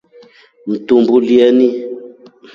Mtuumbulyeni.